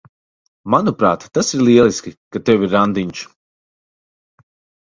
Manuprāt, tas ir lieliski, ka tev ir randiņš.